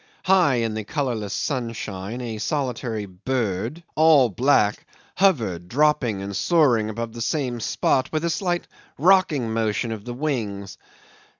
High in the colourless sunshine a solitary bird, all black, hovered, dropping and soaring above the same spot with a slight rocking motion of the wings.